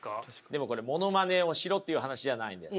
でもこれものまねをしろっていう話じゃないんです。